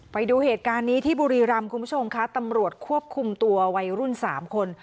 ไปดูเหตุการณ์นี้ที่บุรีรำคุณผู้ชมค่ะตำรวจควบคุมตัววัยรุ่น๓คน